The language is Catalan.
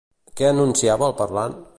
Què enunciava el parlant?